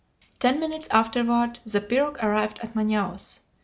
Ten minutes afterward the pirogue arrived at Manaos.